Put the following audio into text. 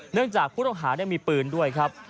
เนื่องจากผู้ต้องหามีปืนด้วยครับ